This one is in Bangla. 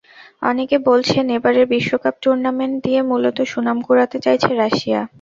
অনেকে বলছেন, এবারের বিশ্বকাপ টুর্নামেন্ট দিয়ে মূলত সুনাম কুড়াতে চাইছে রাশিয়া।